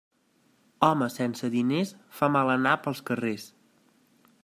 Home sense diners fa mal anar pels carrers.